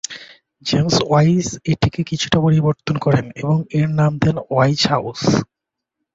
James Wise এটিকে কিছুটা পরিবর্ধন করেন এবং এর নাম দেন ওয়াইজ হাউজ।